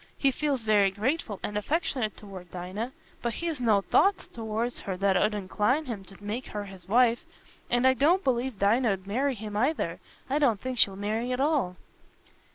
He feels very grateful and affectionate toward Dinah, but he's no thoughts towards her that 'ud incline him to make her his wife, and I don't believe Dinah 'ud marry him either. I don't think she'll marry at all."